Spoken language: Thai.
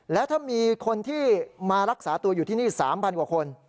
แล้วถ้ามีคนที่มารักษาตัวอยู่ที่นี่๓๐๐กว่าคน